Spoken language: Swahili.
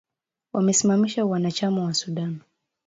Wamesimamisha uanachama wa Sudan